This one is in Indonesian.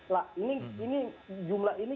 nah ini jumlah ini